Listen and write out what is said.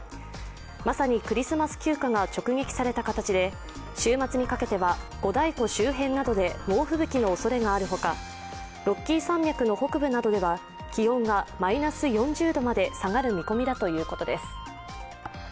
まさにクリスマス休暇が直撃された形で、週末にかけては五大湖周辺などで猛吹雪のおそれがあるほかロッキー山脈の北部などでは気温がマイナス４０度まで下がる見込みだということです。